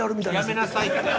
やめなさいって。